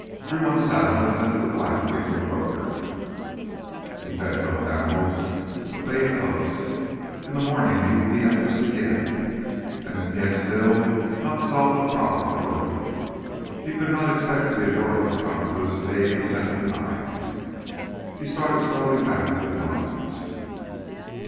Drew unsaddled and left the black in with Croaker; he fed both animals a bait of oats. In the morning he would be at this again. And he still had not solved the problem of roping. He could not expect Teodoro to come to his aid a second time. He started slowly back to the bunkhouse.